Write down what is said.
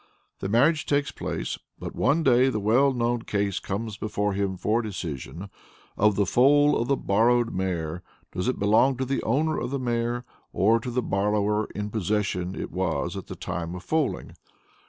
The marriage takes place, but one day the well known case comes before him for decision, of the foal of the borrowed mare does it belong to the owner of the mare, or to the borrower in whose possession it was at the time of foaling?